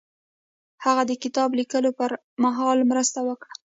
هغه د کتاب لیکلو پر مهال مرسته وکړه.